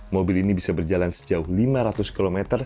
mobil ini bisa berjalan sejauh lima ratus km